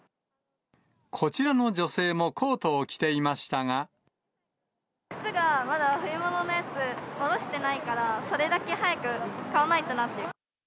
こちらの女性もコートを着て靴がまだ冬物のやつ、おろしてないから、それだけ早く買わないとな。